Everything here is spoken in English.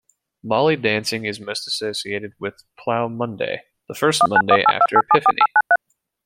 Molly dancing is most associated with Plough Monday, the first Monday after Epiphany.